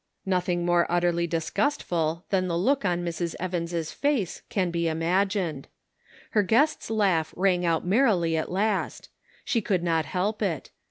" Nothing more utterly disgustful than the look on Mrs. Evans' face can be imagined. Her guest's laugh rang out merrily at last ; she could not help it.